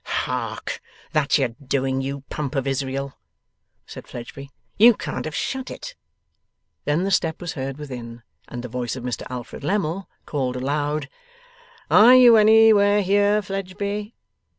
'Hark! That's your doing, you Pump of Israel,' said Fledgeby; 'you can't have shut it.' Then the step was heard within, and the voice of Mr Alfred Lammle called aloud, 'Are you anywhere here, Fledgeby?